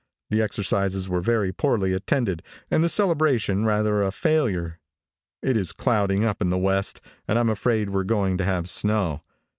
The exercises were very poorly attended and the celebration rather a failure. It is clouding up in the west, and I'm afraid we're going to have snow.